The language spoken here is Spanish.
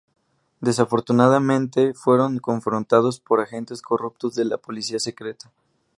Desafortunadamente, fueron confrontados por agentes corruptos de la policía secreta.